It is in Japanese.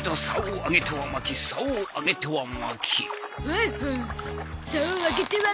竿を上げては巻き竿を上げては巻き！